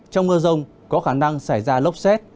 trong mưa rông có khả năng xảy ra lốc xét